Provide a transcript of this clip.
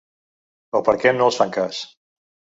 O perquè no els fan cas.